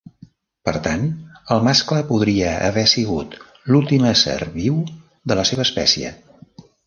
Per tant, el mascle podria haver sigut l'últim ésser viu de la seva espècie.